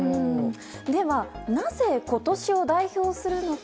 では、なぜ今年を代表するのか。